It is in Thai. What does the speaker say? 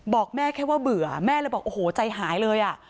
บอกแม่แค่ว่าเบื่อแม่เลยบอกโอ้โหใจหายเลยอ่ะ